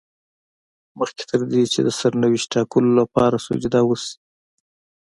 مخکې تر دې چې د سرنوشت ټاکلو لپاره سجده وشي.